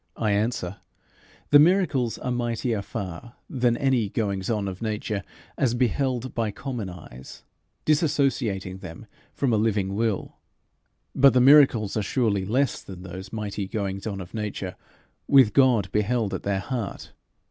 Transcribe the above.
I answer: The miracles are mightier far than any goings on of nature as beheld by common eyes, dissociating them from a living Will; but the miracles are surely less than those mighty goings on of nature with God beheld at their heart.